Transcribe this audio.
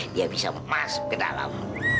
dia bisa masuk ke dalam